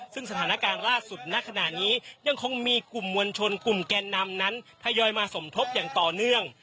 ซึ่งสถานการณ์ล่าสุดณขณะนี้ยังคงมีกลุ่มมวลชนกลุ่มแกนนำนั้นทยอยมาสมทบอย่างต่อเนื่อง